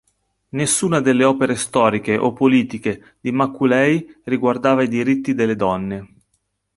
Nessuna delle opere storiche o politiche di Macaulay riguardava i diritti delle donne.